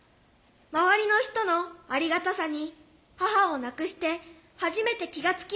周りの人のありがたさに母を亡くして初めて気が付きました。